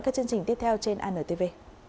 các chương trình tiếp theo trên antv